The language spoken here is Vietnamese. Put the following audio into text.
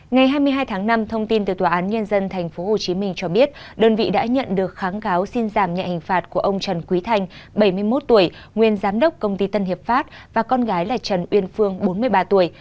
ngày hai mươi hai tháng năm thông tin từ tòa án nhân dân tp hcm cho biết đơn vị đã nhận được kháng cáo xin giảm nhẹ hình phạt của ông trần quý thanh bảy mươi một tuổi nguyên giám đốc công ty tân hiệp pháp và con gái là trần uyên phương bốn mươi ba tuổi